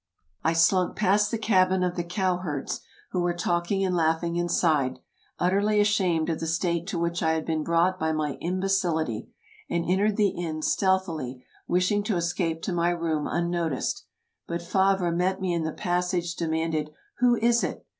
EUROPE 219 I slunk past the cabin of the cowherds, who were talking and laughing inside, utterly ashamed of the state to which I had been brought by my imbecility, and entered the inn stealthily, wishing to escape to my room unnoticed. But Favre met me in the passage, demanded, ''Who is it?"